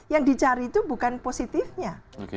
mencari itu bukan positifnya